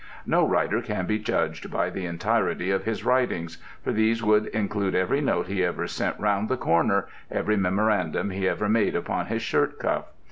No writer can be judged by the entirety of his writings, for these would include every note he ever sent round the corner; every memorandum he ever made upon his shirt cuff.